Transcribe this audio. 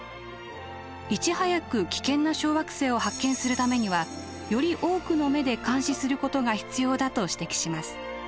いち早く危険な小惑星を発見するためにはより多くの目で監視することが必要だと指摘します。